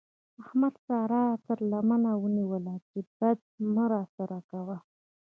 احمد سارا تر لمنه ونيوله چې بد مه راسره کوه.